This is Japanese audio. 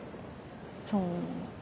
そう。